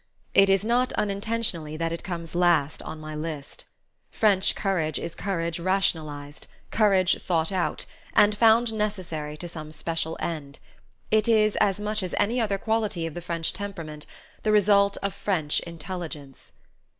It is not unintentionally that it comes last on my list. French courage is courage rationalized, courage thought out, and found necessary to some special end; it is, as much as any other quality of the French temperament, the result of French intelligence.